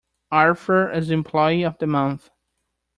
Arthur is the employee of the month.